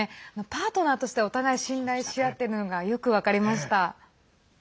パートナーとしてお互い信頼し合ってるのがよく分かりました。